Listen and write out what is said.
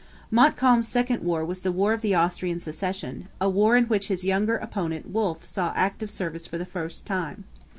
Montcalm's second war was the War of the Austrian Succession, a war in which his younger opponent Wolfe saw active service for the first time.